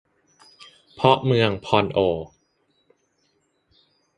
เพราะเมืองพอลโอ